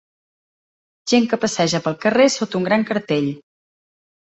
Gent que passeja pel carrer sota un gran cartell.